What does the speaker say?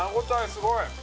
すごい